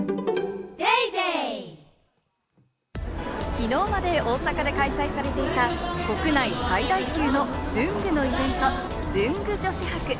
昨日まで大阪で開催されていた国内最大級の文具のイベント、文具女子博。